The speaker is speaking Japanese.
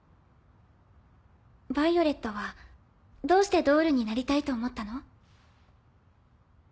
ヴァイオレットはどうしてドールになりたいと思ったの？